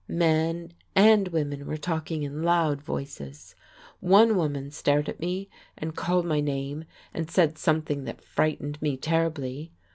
Men and women were talking in loud voices. One woman stared at me, and called my name, and said something that frightened me terribly.